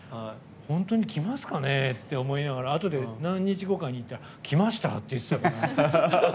本当に来ますかねって思いながらあとで何日後かに行ったら来ましたって言ってたね。